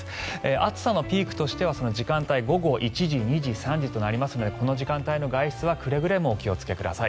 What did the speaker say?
暑さのピークとしては時間帯、午後１時、２時、３時となりますのでこの時間帯の外出はくれぐれもお気をつけください。